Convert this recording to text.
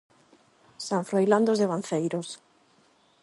San Froilán dos devanceiros.